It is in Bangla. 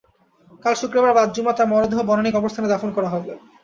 কাল শুক্রবার বাদ জুমা তাঁর মরদেহ বনানী কবরস্থানে দাফন করা হবে।